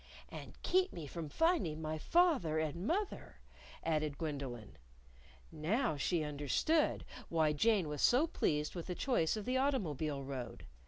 "And keep me from finding my fath er and moth er," added Gwendolyn. Now she understood why Jane was so pleased with the choice of the automobile road!